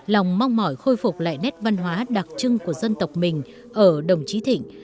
lòng mong mỏi khôi phục lại nét văn hóa đặc trưng của dân tộc mình ở đồng chí thịnh